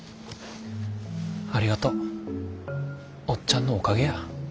ありがとう。おっちゃんのおかげや。